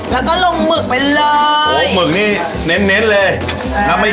แล้วก็ลงหมึกไปเลยโหหมึกนี่เน้นเลยนะคะนเย็มมาก